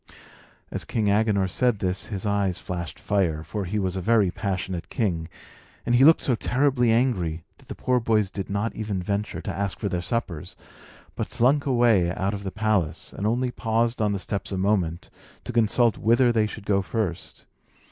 As King Agenor said this, his eyes flashed fire (for he was a very passionate king), and he looked so terribly angry that the poor boys did not even venture to ask for their suppers, but slunk away out of the palace, and only paused on the steps a moment to consult whither they should go first.